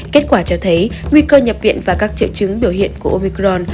kết quả cho thấy nguy cơ nhập viện và các triệu chứng biểu hiện của opron